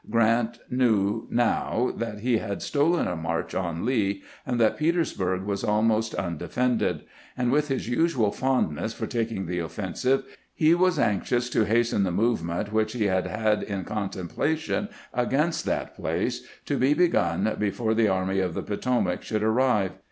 Grant knew now that he had stolen a march on Lee, and that Petersburg was almost un defended; and with his usual fondness for taking the offensive, he was anxious to hasten the movement which he had had in contemplation against that place, to be begun before the Army of the Potomac should arrive.